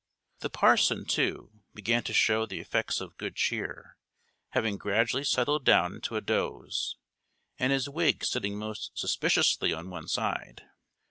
The parson, too, began to show the effects of good cheer, having gradually settled down into a doze, and his wig sitting most suspiciously on one side.